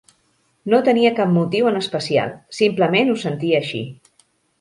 No tenia cap motiu en especial, simplement ho sentia així.